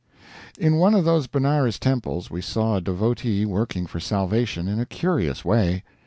In one of those Benares temples we saw a devotee working for salvation in a curious way.